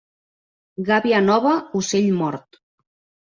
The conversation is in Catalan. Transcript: Gàbia nova, ocell mort.